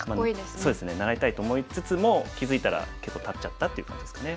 そうですね習いたいと思いつつも気付いたら結構たっちゃったっていう感じですかね。